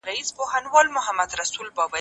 څنګه انلاين زده کړه د ټکنالوژۍ مهارتونه وده ورکوي؟